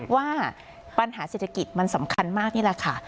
ว่าปัญหาเศรษฐกิจมันสำคัญมากนี่แหละค่ะ